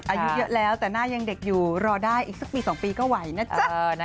อายุเยอะแล้วแต่หน้ายังเด็กอยู่รอได้อีกสักปี๒ปีก็ไหวนะจ๊ะ